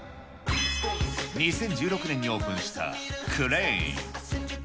２０１６年にオープンしたクレイン。